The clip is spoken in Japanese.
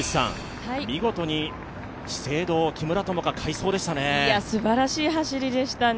見事に資生堂、木村友香が快走でしたね。